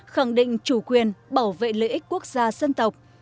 khẳng định chủ quyền bảo vệ lợi ích quốc gia dân tộc